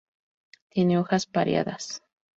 Tiene hojas pareadas.